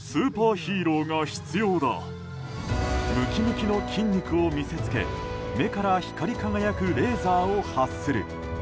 ムキムキの筋肉を見せつけ目から光り輝くレーザーを発する。